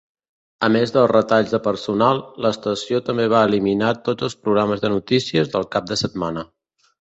A més dels retalls de personal, l'estació també va eliminar tots els programes de notícies del cap de setmana.